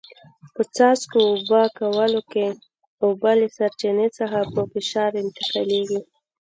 په څاڅکو اوبه کولو کې اوبه له سرچینې څخه په فشار انتقالېږي.